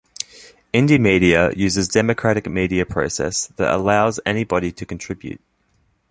Indymedia uses democratic media process that allows anybody to contribute.